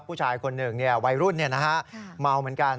ผู้ชายคนหนึ่งใบรุ่นเนี่ยมาลเหมือนกัน